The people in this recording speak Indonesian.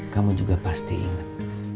kamu juga pasti inget